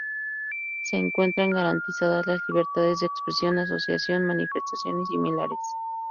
Se encuentran garantizadas las libertades de expresión, asociación, manifestación y similares.